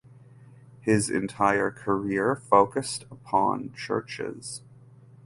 His entire career focused upon churches.